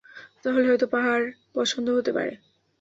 তাহলে হয়ত পাহাড় পছন্দ হতে পারে?